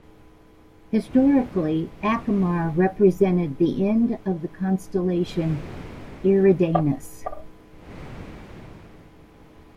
Historically, Acamar represented the end of the constellation Eridanus.